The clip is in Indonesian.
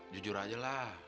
jujur aja lah